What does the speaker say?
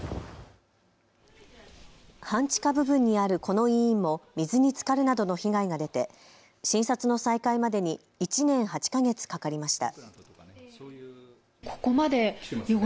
半地下部分にあるこの医院も水につかるなどの被害が出て診察の再開までに１年８か月かかりました。